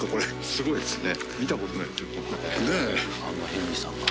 すごいっすね！